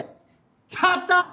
やった！